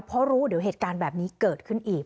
เพราะรู้เดี๋ยวเหตุการณ์แบบนี้เกิดขึ้นอีก